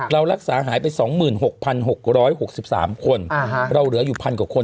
เรารักษาหายไป๒๖๖๓คนเราเหลืออยู่๑๐๐กว่าคน